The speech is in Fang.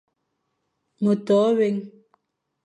Ma to wé,